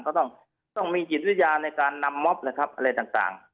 ก็ต้องมีจิตวิญญาณในการนำม็อบนะครับอะไรต่าง